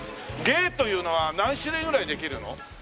芸というのは何種類ぐらいできるの？